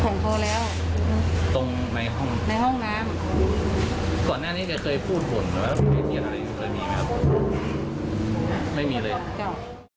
ในห้องน้ำ